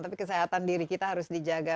tapi kesehatan diri kita harus dijaga